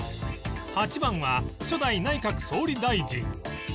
８番は初代内閣総理大臣